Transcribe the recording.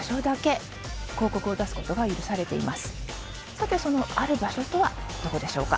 さてそのある場所とはどこでしょうか？